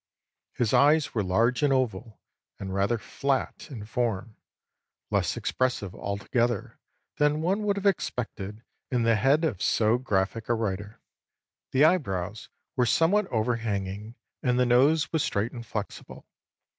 His eyes were large and oval, and rather flat in form, less expressive altogether than one would have expected in the head of so graphic a writer. The eyebrows were somewhat overhanging, and the nose was straight and flexible.